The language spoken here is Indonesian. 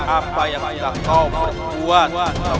apa yang telah kau perbuat